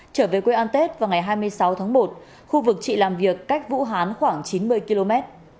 trở về quê an tết vào ngày hai mươi sáu tháng một khu vực chị làm việc cách vũ hán khoảng chín mươi km